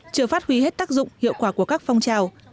chưa phát huy hết tác dụng hiệu quả của các phong trào